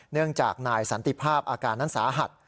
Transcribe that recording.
เนื่องจากนายสันติภาพอาการนั้นสาหัส